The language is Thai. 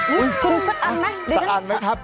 อุ๊ยคุณสะอันไหมสะอันไหมครับ